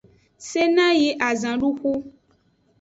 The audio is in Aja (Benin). Sena yi azanduxu.